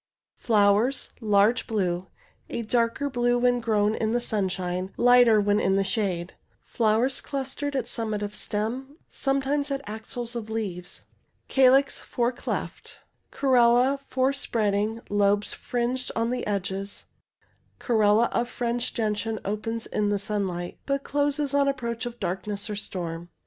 Flowers— large blue— a darker blue when grown in the sunshine— lighter when in the shade— flowers clustered at summit of stem— sometimes at axils of leaves— calyx four cleft. Corolla four spreading, lobes fringed on the edges— corolla of fringed gentian opens in the 240 ABOUT THE FRINGED GENTIAN 241 sunlight, but closes on approach of darkness or. storm.